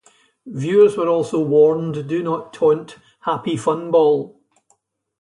Viewers were also warned, Do not taunt Happy Fun Ball.